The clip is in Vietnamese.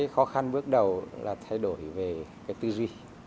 khó khăn bước đầu là thay đổi về tư duy